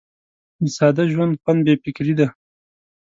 د ساده ژوند خوند بې فکري ده.